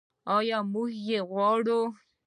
آیا موږ یې غواړو؟